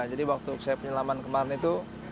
jadi waktu saya penyelaman kemarin itu